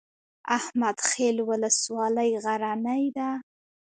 احمد خیل ولسوالۍ غرنۍ ده؟